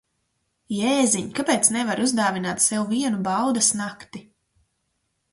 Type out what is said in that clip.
Jēziņ, kāpēc nevari uzdāvināt sev vienu baudas nakti?